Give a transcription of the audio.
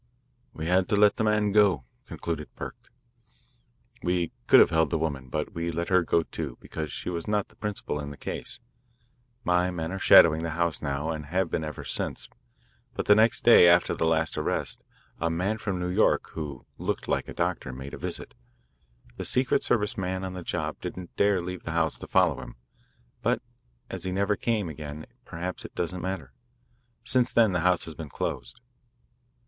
"We had to let the man go," concluded Burke. "We could have held the woman, but we let her go, too, because she was not the principal in the case. My men are shadowing the house now and have been ever since then. But the next day after the last arrest, a man from New York, who looked like a doctor, made a visit. The secret service man on the job didn't dare leave the house to follow him, but as he never came again perhaps it doesn't matter. Since then the house has been closed."